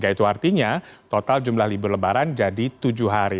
itu artinya total jumlah libur lebaran jadi tujuh hari